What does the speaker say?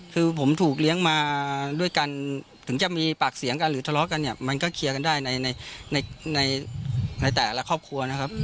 คือผมถูกเลี้ยงมาด้วยกันถึงจะมีปากเสียงกันหรือทะเลาะกันเนี่ยมันก็เคลียร์กันได้ในในแต่ละครอบครัวนะครับ